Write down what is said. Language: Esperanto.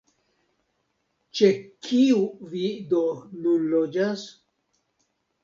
Ĉe kiu vi do nun loĝas?